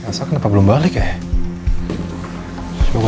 asal kenapa belum balik ya